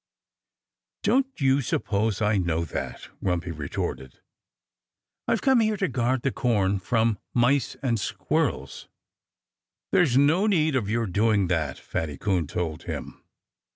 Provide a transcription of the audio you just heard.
"Don't you suppose I know that?" Grumpy retorted. "I've come here to guard the corn from mice and squirrels." "There's no need of your doing that," Fatty Coon told him.